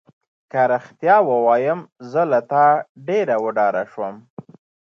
که رښتیا ووایم زه له تا ډېره وډاره شوم.